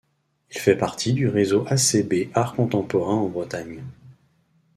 Il fait partie du réseau a. c. b – art contemporain en Bretagne.